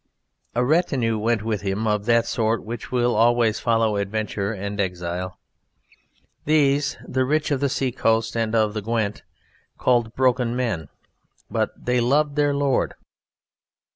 A retinue went with him of that sort which will always follow adventure and exile. These, the rich of the seacoast and of the Gwent called broken men; but they loved their Lord.